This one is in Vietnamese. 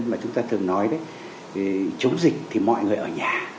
mà chúng ta thường nói đấy chống dịch thì mọi người ở nhà